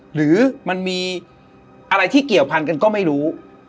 หรือมันมีอะไรที่เกี่ยวพันกันก็ไม่รู้